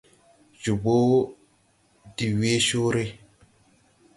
Jobo de wee coore.